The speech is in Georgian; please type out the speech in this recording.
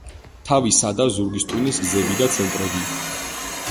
თავისა და ზურგის ტვინის გზები და ცენტრები.